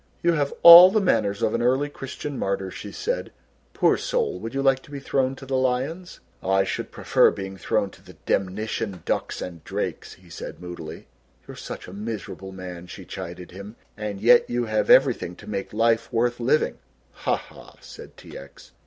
"You have all the manners of an early Christian martyr," she said. "Poor soul! Would you like to be thrown to the lions?" "I should prefer being thrown to the demnition ducks and drakes," he said moodily. "You're such a miserable man," she chided him, "and yet you have everything to make life worth living." "Ha, ha!" said T. X.